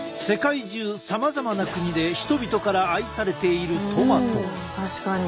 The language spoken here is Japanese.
世界中さまざまな国で人々から愛されているトマト。